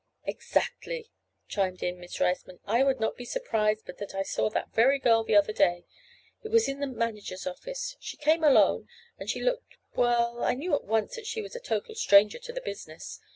"Exactly!" chimed in Miss Riceman. "I would not be surprised but that I saw that very girl the other day. It was in the manager's office. She came alone and she looked—well—I knew at once that she was a total stranger to the business.